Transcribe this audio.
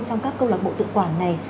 trong các câu lạc bộ tự quản này